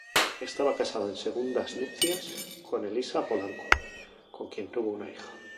Estaba casado en segundas nupcias con Elisa Polanco, con quien tuvo una hija.